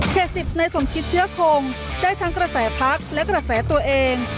๑๐ในสมคิดเชื้อคงได้ทั้งกระแสพักและกระแสตัวเอง